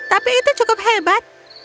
tapi itu cukup hebat